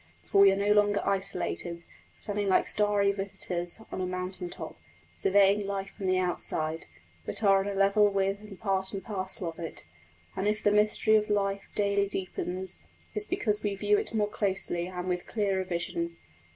For we are no longer isolated, standing like starry visitors on a mountain top, surveying life from the outside; but are on a level with and part and parcel of it; and if the mystery of life daily deepens, it is because we view it more closely and with clearer vision.